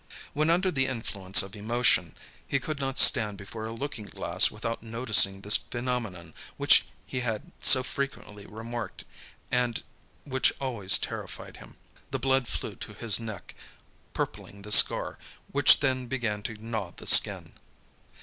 When under the influence of emotion, he could not stand before a looking glass without noticing this phenomenon which he had so frequently remarked and which always terrified him; the blood flew to his neck, purpling the scar, which then began to gnaw the skin.